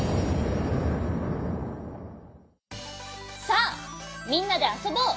さあみんなであそぼう！